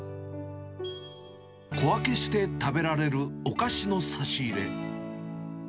小分けして食べられるお菓子の差し入れ。